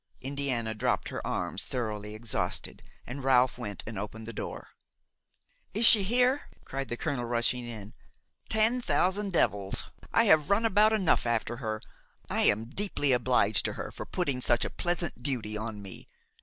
Indiana dropped her arms, thoroughly exhausted, and Ralph went and opened the door. "Is she here?" cried the colonel, rushing in. "Ten thousand devils! I have run about enough after her; I am deeply obliged to her for putting such a pleasant duty on me!